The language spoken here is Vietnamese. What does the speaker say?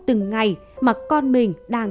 từng ngày mà con mình đang